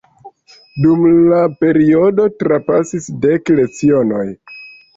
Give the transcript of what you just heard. Dum la periodo trapasis dek lecionoj.